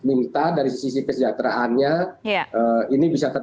ini bisa tercapai